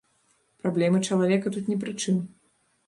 Праблемы чалавека тут не пры чым.